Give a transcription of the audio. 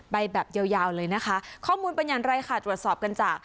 ไปแบบยาวเลยนะคะข้อมูลปัญญาณไรค่ะตรวจสอบกันจาก